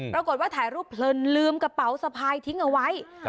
ปรากฏว่าถ่ายรูปเพลินลืมกระเป๋าสะพายทิ้งเอาไว้